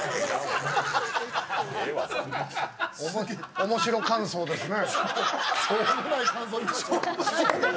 おもしろ感想ですね。